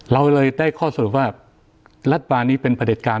เราเลยได้ข้อสรุปว่ารัฐบาลนี้เป็นประเด็จการ